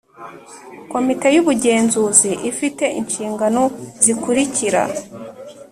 Komite y’ubugenzuzi ifite inshingano zikurikira